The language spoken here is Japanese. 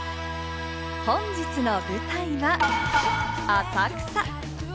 本日の舞台は、浅草。